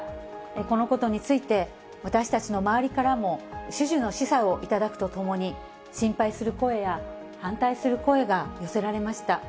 このことについて、私たちの周りからも種々の示唆をいただくとともに、心配する声や反対する声が寄せられました。